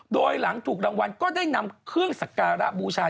โดยหลังถูกรางวัลก็ได้นำเครื่องสักการะบูชา